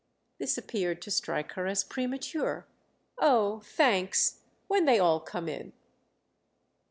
This appeared to strike her as premature. "Oh, thanks—when they all come in."